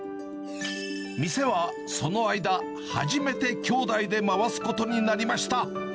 店はその間、初めて兄弟で回すことになりました。